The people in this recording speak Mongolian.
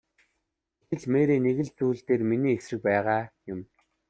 Гэтэл Мэри нэг л зүйл дээр миний эсрэг байгаа юм.